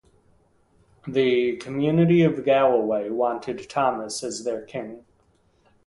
The 'Community of Galloway' wanted Thomas as their 'king'.